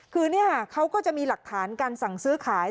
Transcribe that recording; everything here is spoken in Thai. คือเขาก็จะมีหลักฐานการสั่งซื้อขาย